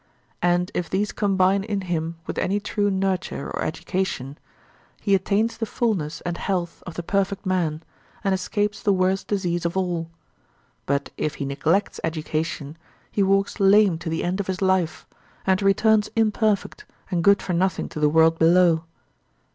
And if these combine in him with any true nurture or education, he attains the fulness and health of the perfect man, and escapes the worst disease of all; but if he neglects education he walks lame to the end of his life, and returns imperfect and good for nothing to the world below.